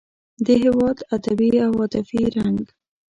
د هېواد ادبي او عاطفي رنګ.